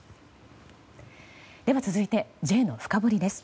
では続いてＪのフカボリです。